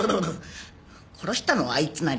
殺したのはあいつなり。